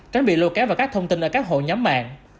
tránh bị lùa kéo vào các thông tin ở các hộ nhắm mạng